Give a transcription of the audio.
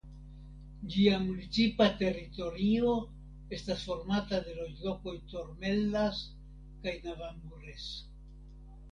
Ĝia municipa teritorio estas formata de loĝlokoj Tormellas kaj Navamures.